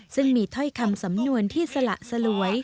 ซึ่งมีถ้อยคำสำนวนที่สละสลวย